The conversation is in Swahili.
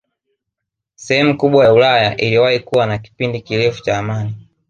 Sehemu kubwa ya Ulaya iliwahi kuwa na kipindi kirefu cha amani